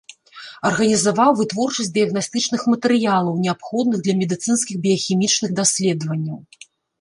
Арганізаваў вытворчасць дыягнастычных матэрыялаў, неабходных для медыцынскіх біяхімічных даследаванняў.